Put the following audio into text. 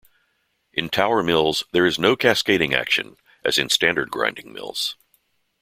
In tower mills, there is no cascading action as in standard grinding mills.